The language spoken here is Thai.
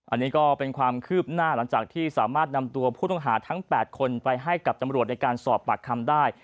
อันนี้ก็เป็นความคืบหน้าหลังจากที่สามารถนำตัวผู้ต้องหาทั้ง๘คนไปให้กับตำรวจในการสอบปากคำได้